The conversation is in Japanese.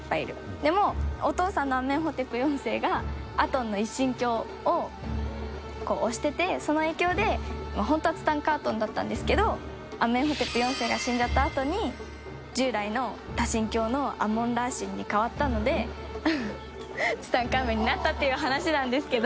でも、お父さんのアメンヘテプ４世がアテンの一神教を推しててその影響で本当はツタンカートンだったんですけどアメンヘテプ４世が死んじゃったあとに従来の多神教のアモン・ラー神に替わったのでツタンカーメンになったっていう話なんですけど。